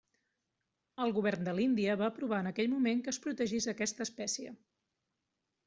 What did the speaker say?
El govern de l'Índia va aprovar en aquell moment que es protegís aquesta espècie.